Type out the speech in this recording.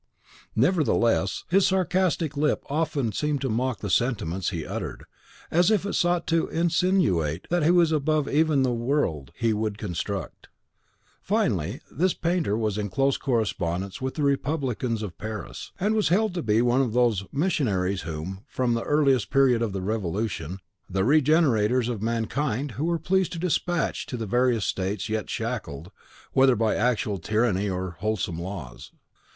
Nevertheless, his sarcastic lip often seemed to mock the sentiments he uttered, as if it sought to insinuate that he was above even the world he would construct. Finally, this painter was in close correspondence with the Republicans of Paris, and was held to be one of those missionaries whom, from the earliest period of the Revolution, the regenerators of mankind were pleased to despatch to the various states yet shackled, whether by actual tyranny or wholesome laws.